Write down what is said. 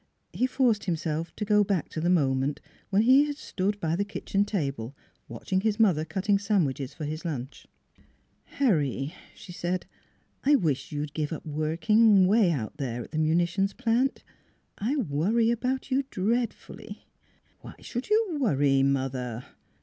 ... He forced himself to go back to the moment when he had stood by the kitchen table watching his mother cutting sandwiches for his lunch. " Harry," she said, " I wish you'd give up working 'way out there at the munitions plant. I worry about you dreadfully." 14 Why should you worry, mother?